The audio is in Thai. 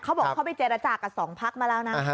เขาบอกเขาไปเจรจากับสองพักมาแล้วนะ